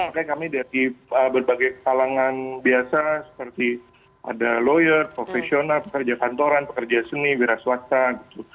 makanya kami dari berbagai kalangan biasa seperti ada lawyer profesional pekerja kantoran pekerja seni wira swasta gitu